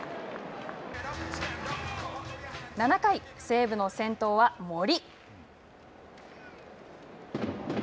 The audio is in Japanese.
西武の先頭は森。